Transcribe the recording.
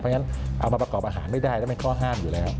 เพราะฉะนั้นเอามาประกอบอาหารไม่ได้แล้วเป็นข้อห้ามอยู่แล้ว